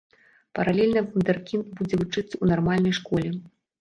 Паралельна вундэркінд будзе вучыцца ў нармальнай школе.